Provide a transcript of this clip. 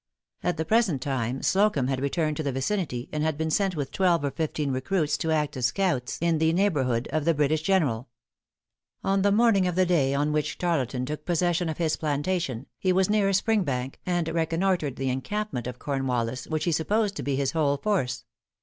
At the present time Slocumb had returned to the vicinity, and had been sent with twelve or fifteen recruits to act as scouts in the neighborhood of the British General. The morning of the day on which Tarleton took possession of his plantation, he was near Sprinkbank, and reconnoitered the encampment of Cornwallis, which he supposed to be his whole force.